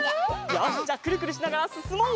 よしじゃくるくるしながらすすもう！